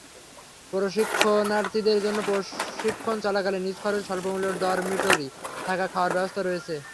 প্রশিক্ষণার্থীদের জন্য প্রশিক্ষণ চলাকালে নিজ খরচে স্বল্পমূল্যে ডরমিটরি থাকা-খাওয়ার ব্যবস্থা রয়েছে।